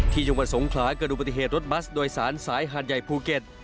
จังหวัดสงขลากระดูกปฏิเหตุรถบัสโดยสารสายหาดใหญ่ภูเก็ต